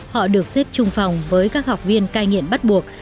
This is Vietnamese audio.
họ được xếp trung phòng với các học viên cai nghiện bắt buộc